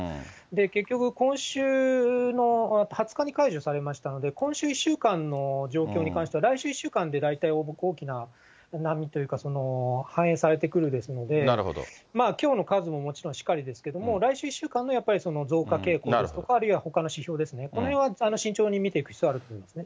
結局、今週の２０日に解除されましたので、今週１週間の状況に関しては、来週１週間で大体大きな波というか、反映されてくるですので、きょうの数ももちろんしかりですけども、来週１週間のやっぱり増加傾向ですとか、あるいはほかの指標ですね、このへんは慎重に見ていく必要はあると思いますね。